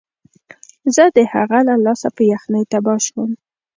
زه د هغه له لاسه په یخنۍ تباه شوم